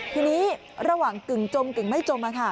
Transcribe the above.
ทีนี้ระหว่างกึ่งจมกึ่งไม่จม